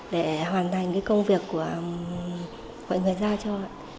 để hoàn thành công việc của người gia cho